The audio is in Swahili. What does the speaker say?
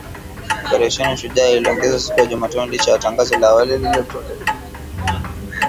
Operesheni Shujaa iliongezwa siku ya Jumatano licha ya tangazo la awali lililotolewa